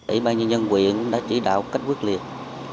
ủy ban nhân dân quyện đã chỉ đạo cách quyết liệt